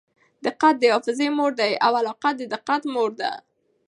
دقت د حافظې مور دئ او علاقه د دقت مور ده.